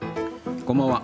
こんばんは。